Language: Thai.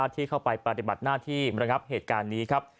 ที่เข้าไปปฏิบัติหน้าที่ระงับเหตุการณ์นี้ครับ